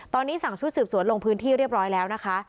ตอนนี้สั่งชุดสืบสวนลงพื้นที่เรียบร้อยแล้วนะคะ